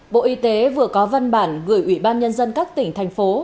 bộ y tế vừa có văn bản gửi ủy ban nhân dân các tỉnh thành phố